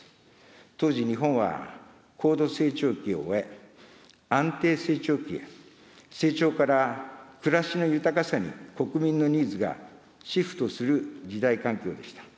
当時、日本は高度成長期を終え、安定成長期へ、成長から暮らしの豊かさに国民のニーズがシフトする時代環境でした。